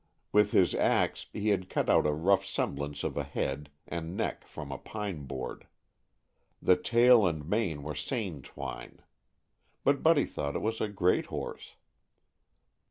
With his ax he had cut out a rough semblance of a head and neck from a pine board. The tail and mane were seine twine. But Buddy thought it was a great horse.